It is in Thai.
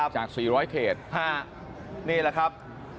จาก๔๐๐เขตนี่แหละครับ